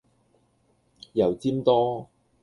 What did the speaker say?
油占多